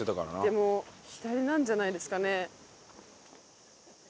でも左なんじゃないですかね。